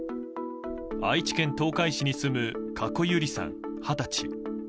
愛知県東海市に住む加古結莉さん、二十歳。